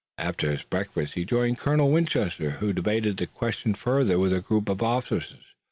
After his breakfast he joined Colonel Winchester, who debated the question further with a group of officers.